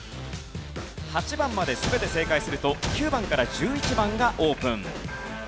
８番まで全て正解すると９番から１１番がオープン。